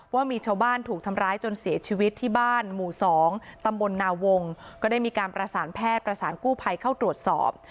ว่ามีชาวบ้านถูกทำร้ายจนเสียชีวิตที่บ้านหมู่๒ตำบลนาวงก็ได้มีการประสานแพทย์ประสานกู้ภัยเข้าตรวจสอบ